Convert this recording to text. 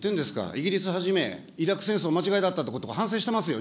イギリスはじめ、イラク戦争間違いだったってことが反省してますよ。